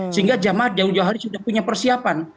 sehingga jamaah jauh jauh hari sudah punya persiapan